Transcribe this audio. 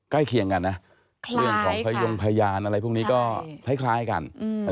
เคียงกันนะเรื่องของพยงพยานอะไรพวกนี้ก็คล้ายกัน